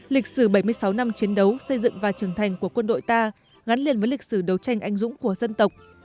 lịch sử bảy mươi sáu năm chiến đấu xây dựng và trưởng thành của quân đội ta gắn liền với lịch sử đấu tranh anh dũng của dân tộc